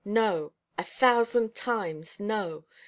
No a thousand times no.